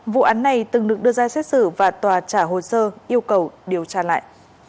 vụ án này từng được đưa ra xét xử và tòa trả hồ sơ yêu cầu điều tra lại